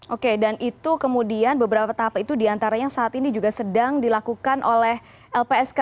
oke dan itu kemudian beberapa tahap itu diantaranya saat ini juga sedang dilakukan oleh lpsk